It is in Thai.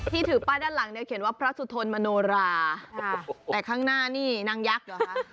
ถือป้ายด้านหลังเนี่ยเขียนว่าพระสุทนมโนราแต่ข้างหน้านี่นางยักษ์เหรอคะ